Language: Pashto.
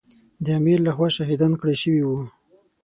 د امیر له خوا شهیدان کړای شوي وو.